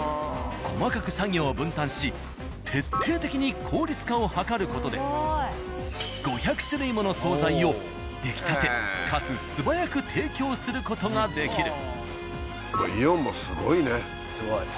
細かく作業を分担し徹底的に効率化を図る事で５００種類もの惣菜を出来たてかつ素早く提供する事ができる。